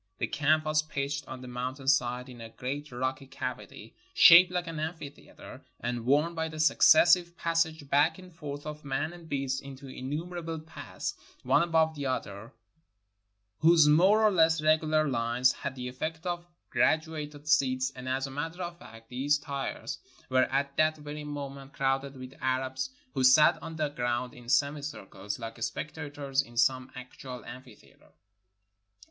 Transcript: The camp was pitched on the mountain side, in a great rocky cavity, shaped like an amphitheater, and worn by the successive passage back and forth of man and beast into innumerable paths, one above the other, whose more or less regular fines had the effect of gradu ated seats, and as a matter of fact these tiers were at that very moment crowded with Arabs, who sat on the groimd in semicircles, like spectators in some actual 329 NORTHERN AFRICA amphitheater.